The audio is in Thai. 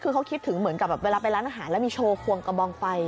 คือเขาคิดถึงเหมือนกับแบบเวลาไปร้านอาหารแล้วมีโชว์ควงกระบองไฟ